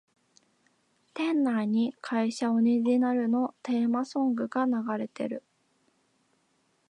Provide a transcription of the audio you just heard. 店内に会社オリジナルのテーマソングが流れてる